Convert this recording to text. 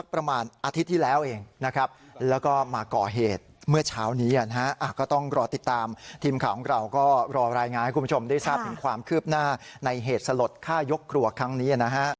คุณผู้ชมได้ทราบถึงความคืบหน้าในเหตุสลดค่ายกกลัวครั้งนี้นะฮะ